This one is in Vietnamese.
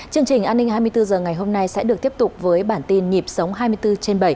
chương trình an ninh hai mươi bốn h ngày hôm nay sẽ được tiếp tục với bản tin nhịp sống hai mươi bốn trên bảy